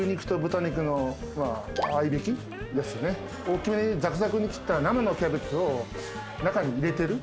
大きめにザクザクに切った生のキャベツを中に入れてる。